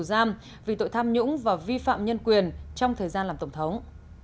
giam vì tội tham nhũng và vi phạm nhân quyền trong thời gian làm tổng thống